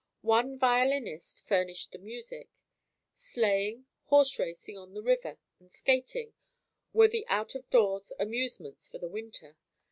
One violinist furnished the music. Sleighing, horse racing on the river and skating were the out of doors amusements for the winter.